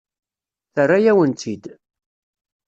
Terra-yawen-tt-id.